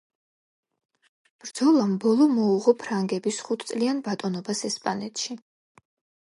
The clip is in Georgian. ბრძოლამ ბოლო მოუღო ფრანგების ხუთწლიან ბატონობას ესპანეთში.